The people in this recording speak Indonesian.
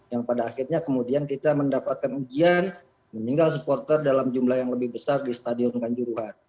yang pada akhirnya kemudian kita mendapatkan ujian meninggal supporter dalam jumlah yang lebih besar di stadion kanjuruhan